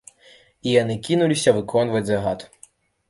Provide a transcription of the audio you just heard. І яны кінуліся выконваць загад.